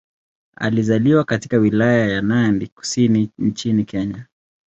Alizaliwa katika Wilaya ya Nandi Kusini nchini Kenya.